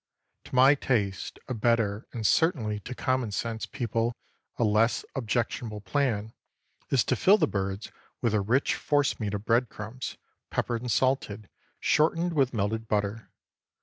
To my taste, a better, and certainly to common sense people a less objectionable plan, is to fill the birds with a rich force meat of bread crumbs, peppered and salted, shortened with melted butter.